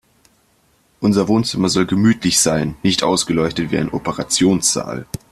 Unser Wohnzimmer soll gemütlich sein, nicht ausgeleuchtet wie ein Operationssaal.